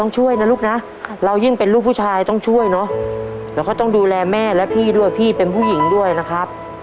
ส่วนคุณยายบ้างยายอึงค่ะ